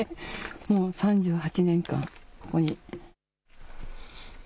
もう３８年間、ここに。